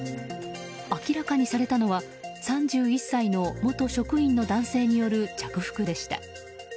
明らかにされたのは３１歳の元職員の男性による着服でした。